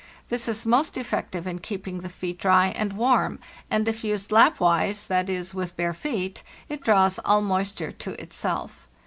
This is most effective in keeping the feet dry and warm, and if used Lapp wise, z.¢., with bare feet, it draws all moisture to itself.